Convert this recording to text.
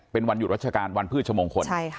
เป็นวันหยุดราชการวันพืชมงคล